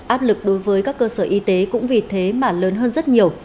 áp lực đối với các cơ sở y tế cũng vì thế mà lớn hơn rất nhiều